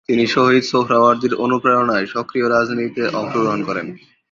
তিনি শহীদ সোহরাওয়ার্দীর অনুপ্রেরণায় সক্রিয় রাজনীতিতে অংশ গ্রহণ করেন।